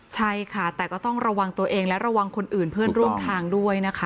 ใช่ค่ะแต่ก็ต้องระวังตัวเองและระวังคนอื่นเพื่อนร่วมทางด้วยนะคะ